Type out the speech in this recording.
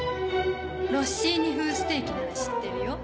ロッシーニ風ステーキなら知ってるよ。